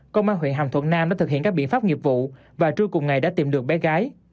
công an huyện hàm thuận nam đã thực hiện các biện pháp nghiệp vụ và trưa cùng ngày đã tìm được bé gái